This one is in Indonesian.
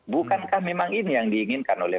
bukankah memang ini yang diinginkan oleh